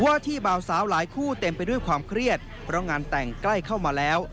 ว่าที่เบาสาวหลายคู่เต็มไปด้วยความเครียดเพราะงานแต่งใกล้เข้ามาแล้ว